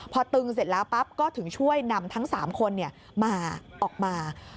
พอตึงเสร็จแล้วปั๊บก็ถึงช่วยนำทั้ง๓คนมาออกมา